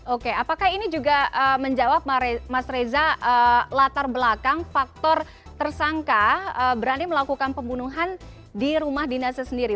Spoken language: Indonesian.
oke apakah ini juga menjawab mas reza latar belakang faktor tersangka berani melakukan pembunuhan di rumah dinasnya sendiri